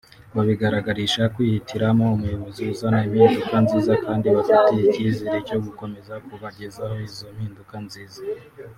babigaragarisha kwihitiramo umuyobozi uzana impinduka nziza kandi bafitiye icyizere cyo gukomeza kubagezaho izo mpinduka nziza